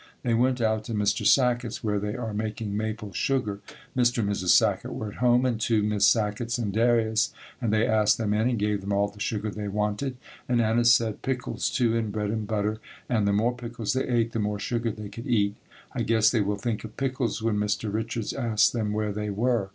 They went out to Mr. Sackett's, where they are making maple sugar. Mr. and Mrs. Sackett were at home and two Miss Sacketts and Darius, and they asked them in and gave them all the sugar they wanted, and Anna said pickles, too, and bread and butter, and the more pickles they ate the more sugar they could eat. I guess they will think of pickles when Mr. Richards asks them where they were.